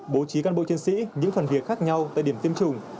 bố trí cán bộ chiến sĩ những phần việc khác nhau tại điểm tiêm chủng